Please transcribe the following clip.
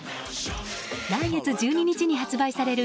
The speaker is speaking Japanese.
来月１２日に発売される